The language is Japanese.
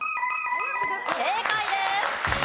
正解です。